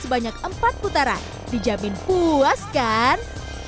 sebanyak empat putaran dijamin puas kan